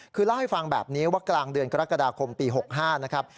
คือเล่าให้ฟังแบบนี้ว่ากลางเดือนกรกฎาคมปี๖๕นะครับ